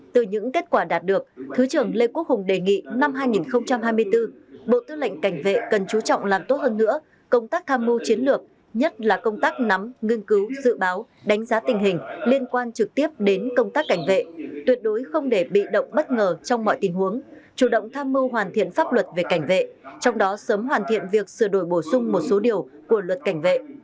từ những kết quả đạt được thứ trưởng lê quốc hùng đề nghị năm hai nghìn hai mươi bốn bộ tư lệnh cảnh vệ cần chú trọng làm tốt hơn nữa công tác tham mưu chiến lược nhất là công tác nắm nghiên cứu dự báo đánh giá tình hình liên quan trực tiếp đến công tác cảnh vệ tuyệt đối không để bị động bất ngờ trong mọi tình huống chủ động tham mưu hoàn thiện pháp luật về cảnh vệ trong đó sớm hoàn thiện việc sửa đổi bổ sung một số điều của luật cảnh vệ